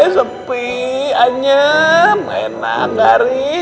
sepi anyem enak garing